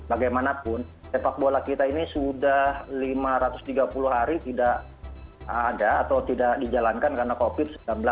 bagaimanapun sepak bola kita ini sudah lima ratus tiga puluh hari tidak ada atau tidak dijalankan karena covid sembilan belas